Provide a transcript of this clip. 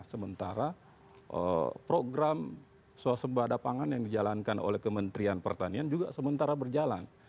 sementara program swasembada pangan yang dijalankan oleh kementerian pertanian juga sementara berjalan